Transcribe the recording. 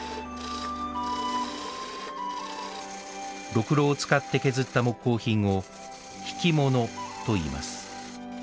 ろくろを使って削った木工品を挽物といいます。